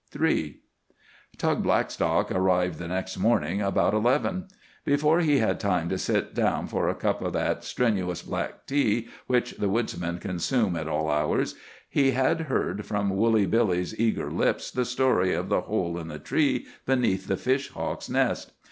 III Tug Blackstock arrived the next morning about eleven. Before he had time to sit down for a cup of that strenuous black tea which the woodsmen consume at all hours, he had heard from Woolly Billy's eager lips the story of the hole in the tree beneath the fish hawk's nest.